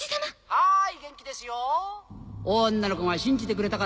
はい！